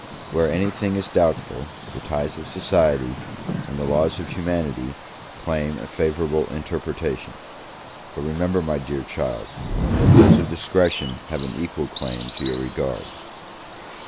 Where any thing is doubtful, the ties of society, and the laws of humanity, claim a favourable interpretation; but remember, my dear child, that those of discretion have an equal claim to your regard.